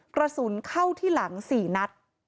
กระสุนเข้าที่หลัง๔นัด